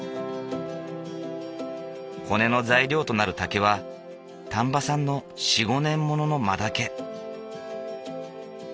骨の材料となる竹は丹波産の４５年ものの真竹。